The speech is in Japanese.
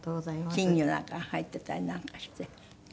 金魚なんかが入ってたりなんかして。